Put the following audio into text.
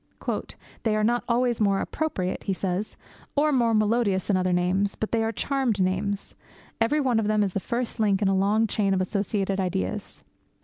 'They are not always more appropriate,' he says, 'or more melodious than other names. But they are charmed names. Every one of them is the first link in a long chain of associated ideas.